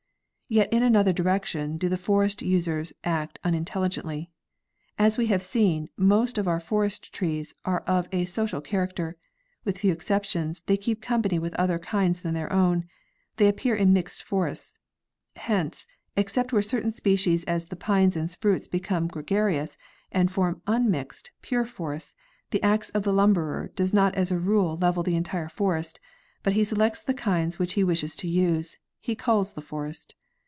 Yet in another direction do the forest users act unintelli gently. As we have seen, most of our forest trees are of a so cial character. With few exceptions, they keep. company with other kinds than their own; they appear in mixed forests. Hence, except where certain species as the pines and spruces become gregarious and form unmixed, pure forests, the axe of the lumberer does not as a rule level the entire forest, but he selects the kinds which he wishes to use—he culls the forest.